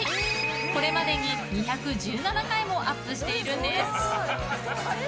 これまでに２１７回もアップしているんです。